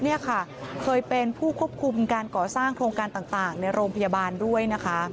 นี่ค่ะเคยเป็นผู้ควบคุมการก่อสร้างโครงการต่างในโรงพยาบาลด้วยนะคะ